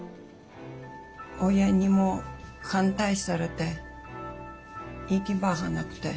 親にも反対されて行き場がなくて。